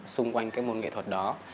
xung quanh cái môn nghệ thuật đó